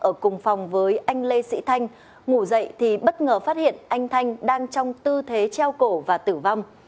ở cùng phòng với anh lê sĩ thanh ngủ dậy thì bất ngờ phát hiện anh thanh đang trong tư thế treo cổ và tử vong